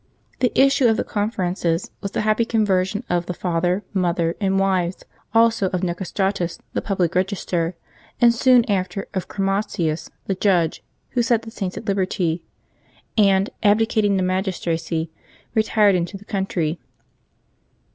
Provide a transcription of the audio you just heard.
The issue of the conferences was the happy conversion of the father, mother, and wives, also of Nicostratus, the public register, and soon after of Chromatins, the judge, who set the Saints at liberty, and, abdicating the magistracy, re tired into the country.